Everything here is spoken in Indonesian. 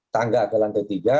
tangga ke lantai tiga